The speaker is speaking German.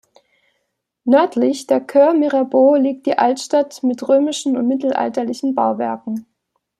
Nördlich der Cours Mirabeau liegt die Altstadt, mit römischen und mittelalterlichen Bauwerken.